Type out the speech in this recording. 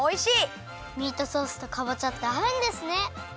ミートソースとかぼちゃってあうんですね。